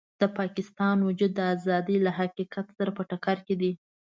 د پاکستان وجود د ازادۍ له حقیقت سره په ټکر کې دی.